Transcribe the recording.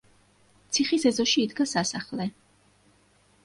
ციხის ეზოში იდგა სასახლე.